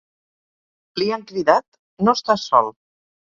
Li han cridat ‘no estàs sol’.